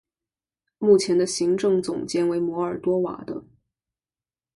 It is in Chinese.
目前的行政总监为摩尔多瓦的。